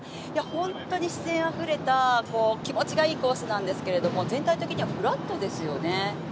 本当に自然あふれた気持ちがいいコースなんですけれども、全体的にはフラットですよね。